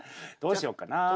どうしようかな。